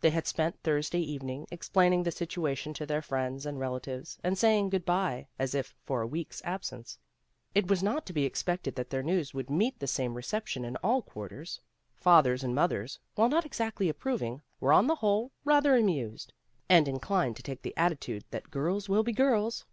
They had spent Thursday evening explaining the situation to their friends and relatives and say ing good by as if for a week's absence. It was not to be expected that their news would meet the same reception in all quarters. Fathers and mothers, while not exactly approving, were on the whole rather amused, and inclined to take the attitude that girls will be girls.